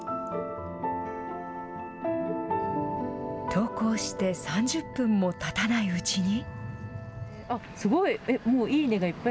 投稿して３０分もたたないうちに。